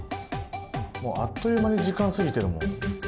あっという間に時間過ぎてるもん。